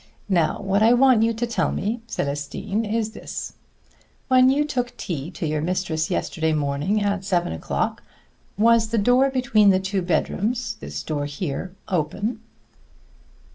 "Now what I want you to tell me, Célestine, is this: when you took tea to your mistress yesterday morning at seven o'clock, was the door between the two bedrooms this door here open?"